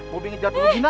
boleh ngejar dulu gina